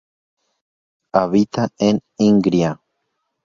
Habita en Ingria.